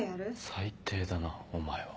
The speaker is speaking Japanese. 最低だなお前は。